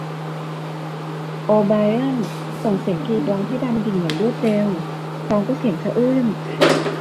โอไบรอันส่งเสียงกรีดร้องที่ดำดิ่งอย่างรวดเร็วพร้อมกับเสียงสะอื้น